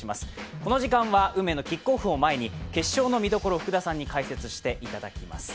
この時間は運命のキックオフを前に、決勝の見どころを福田さんに解説してもらいます。